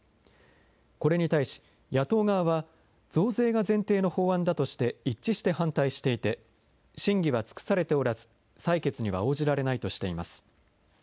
これに対し、野党側は増税の前提の法案だとして一致して反対していて、審議は尽くされておらず、採決には応じられないとしています。